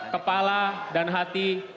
kepala dan hati